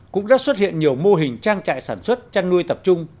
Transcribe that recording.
cũng đã xuất hiện nhiều mô hình trang trại sản xuất chăn nuôi tập trung